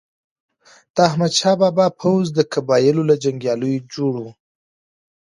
د احمد شاه بابا پوځ د قبایلو له جنګیالیو جوړ و.